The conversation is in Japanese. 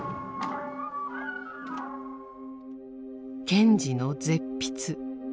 賢治の絶筆。